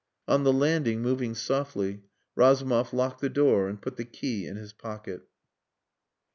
On the landing, moving softly, Razumov locked the door and put the key in his pocket.